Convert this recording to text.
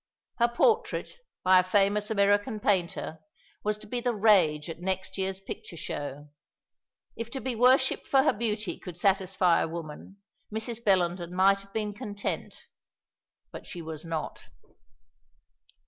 Her portrait, by a famous American painter, was to be the rage at next year's picture show. If to be worshipped for her beauty could satisfy a woman, Mrs. Bellenden might have been content; but she was not.